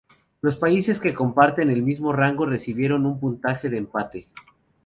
Los países que comparten el mismo rango recibieron un puntaje de empate.